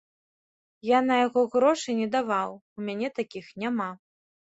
Я на яго грошы не даваў, у мяне такіх няма.